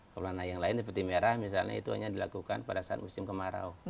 pewarna yang lain seperti merah misalnya itu hanya dilakukan pada saat musim kemarau